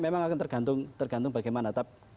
memang akan tergantung bagaimana